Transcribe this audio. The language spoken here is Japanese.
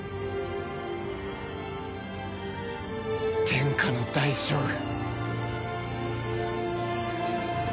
天下の大将軍。